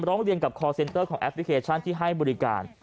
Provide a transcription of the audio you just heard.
ร้องเรียนกับคอร์เซ็นเตอร์ของแอปพลิเคชันที่ให้บริการ